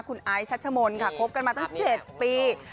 คุณไอซ์ชัชมนต์ค่ะคบกันมาตั้ง๗ปี